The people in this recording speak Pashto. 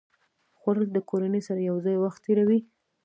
خوړل د کورنۍ سره یو ځای وخت تېروي